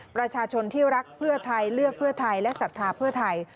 ประชาชนที่รักเพื่อไทยเลือกเพื่อไทยและศรัทธาเพื่อไทย